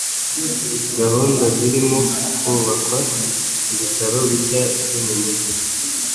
Gahunda zirimo kubakwa ibitaro bishya byo mumujyi.